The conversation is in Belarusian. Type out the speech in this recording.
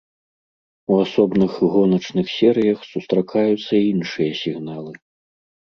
У асобных гоначных серыях сустракаюцца і іншыя сігналы.